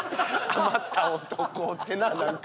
余った男ってななんか。